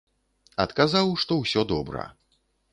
Адказаў, што ўсё добра.